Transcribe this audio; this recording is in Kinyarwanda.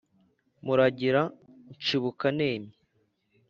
muragira nshibuka nemye